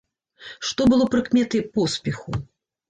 Што было прыкметай поспеху?